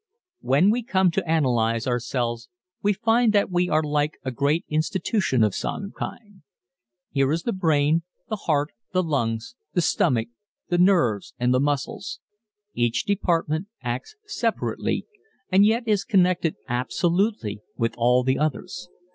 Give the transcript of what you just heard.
When we come to analyze ourselves we find that we are like a great institution of some kind. Here is the brain, the heart, the lungs, the stomach, the nerves and the muscles. Each department acts separately and yet is connected absolutely with all the others.